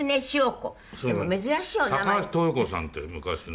高橋豊子さんってええ。